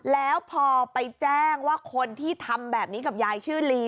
แล้วพอไปแจ้งว่าคนที่ทำแบบนี้กับยายชื่อลี